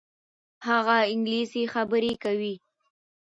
هغه انګلیسي خبرې کوي.